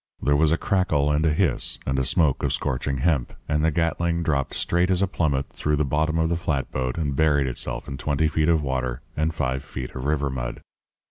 There was a crackle and a hiss and a smoke of scorching hemp, and the Gatling dropped straight as a plummet through the bottom of the flatboat and buried itself in twenty feet of water and five feet of river mud.